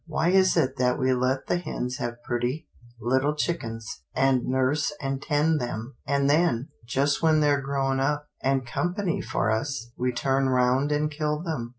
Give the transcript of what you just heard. Why is it that we let the hens have pretty, little chickens, and nurse and tend them, and then, just when they're grown up, and company for us, we turn round and kill them?